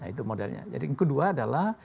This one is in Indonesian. itu modalnya jadi yang kedua adalah